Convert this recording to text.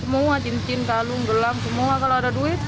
semua cincin kalung gelam semua kalau ada duit